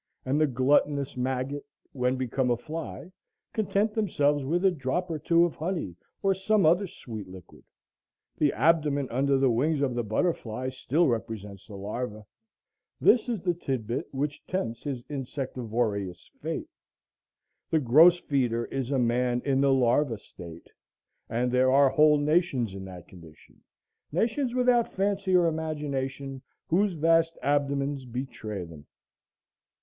. "and the gluttonous maggot when become a fly," content themselves with a drop or two of honey or some other sweet liquid. The abdomen under the wings of the butterfly still represents the larva. This is the tid bit which tempts his insectivorous fate. The gross feeder is a man in the larva state; and there are whole nations in that condition, nations without fancy or imagination, whose vast abdomens betray them.